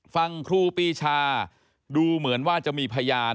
ฟังครูปีชาดูเหมือนว่าจะมีพยาน